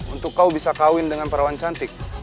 untuk kau bisa kawin dengan perawan cantik